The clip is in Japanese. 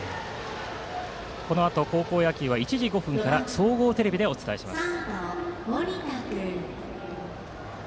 このあと高校野球は１時５分から総合テレビでお伝えします。